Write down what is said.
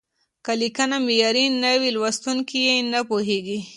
که لیکنه معیاري نه وي، لوستونکي یې نه پوهېږي.